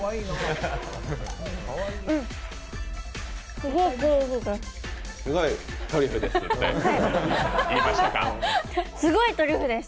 すごいトリュフです。